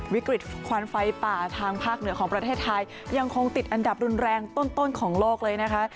วิกฤตควันไฟป่าทางภาคเหนือของประเทศไทยยังคงติดอันดับรุนแรงต้นของโลกเลยนะคะ